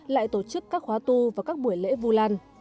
lại tổ chức các khóa tu và các buổi lễ vu lan